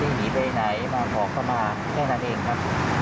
ไม่ได้หนีไปไหนมาพอกละมาแค่นั้นเองครับ